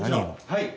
はい。